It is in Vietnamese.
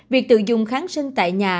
việc tự dùng kháng sinh tại nhà